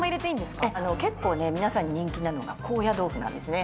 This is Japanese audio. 結構ね皆さんに人気なのが高野豆腐なんですね。